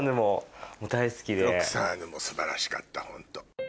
「ロクサーヌ」も素晴らしかったホント。